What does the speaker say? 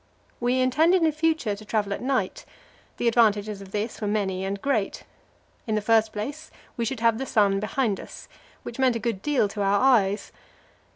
We intended in future to travel at night; the advantages of this were many and great. In the first place, we should have the sun behind us, which meant a good deal to our eyes.